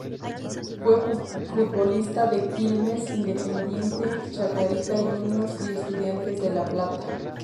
Fue futbolista de Quilmes, Independiente, Chacarita Juniors y Estudiantes de La Plata.